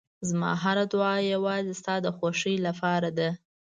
زما هره دعا یوازې ستا د خوښۍ لپاره ده.